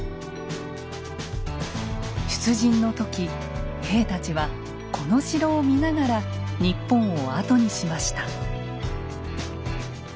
出陣の時兵たちはこの城を見ながら日本を後にしました。